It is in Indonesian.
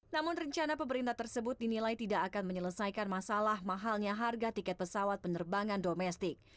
namun rencana pemerintah tersebut dinilai tidak akan menyelesaikan masalah mahalnya harga tiket pesawat penerbangan domestik